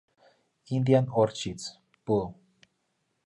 Indian Orchids; Bull.